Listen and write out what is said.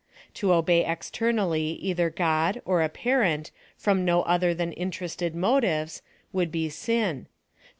To obey externally either God, or a parent, from no other than interested motives, would be sin.